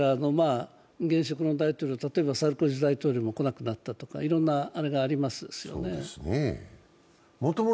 現職の大統領、例えばサルコジ大統領も来なくなったとかいろんなあれがありますよね。